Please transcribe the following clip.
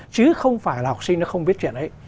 chứ không phải là học sinh nó không biết chuyện ấy